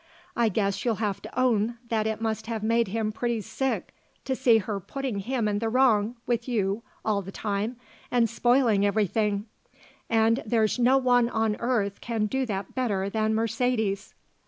I guess you'll have to own that it must have made him pretty sick to see her putting him in the wrong with you all the time and spoiling everything; and there's no one on earth can do that better than Mercedes."